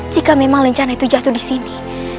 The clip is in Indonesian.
jika memang rencana itu jatuh disini